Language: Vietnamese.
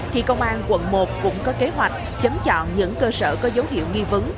thì công an quận một cũng có kế hoạch chấm chọn những cơ sở có dấu hiệu nghi vấn